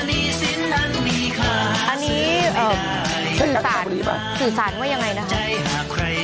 อันนี้อ่าสื่อสารสื่อสารว่าอยังไงนะครับ